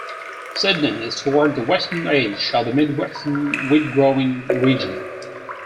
Sidney is toward the western edge of the midwestern wheat-growing region.